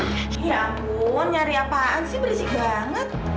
ya ampun nyari apaan sih berisik banget